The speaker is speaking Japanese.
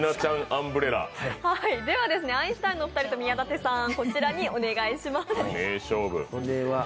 アインシュタインのお二人と宮舘さん、こちらにお願いします